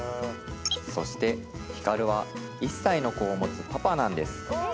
そしてヒカルは１歳の子を持つパパなんです